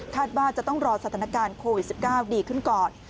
ว่าจะต้องรอสถานการณ์โควิด๑๙ดีขึ้นก่อน